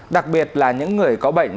đặc biệt là những người có bệnh